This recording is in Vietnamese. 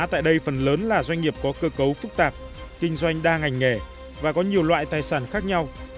tại đây phần lớn là doanh nghiệp có cơ cấu phức tạp kinh doanh đa ngành nghề và có nhiều loại tài sản khác nhau